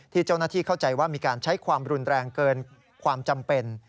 เจ้าหน้าที่เข้าใจว่ามีการใช้ความรุนแรงเกินความจำเป็น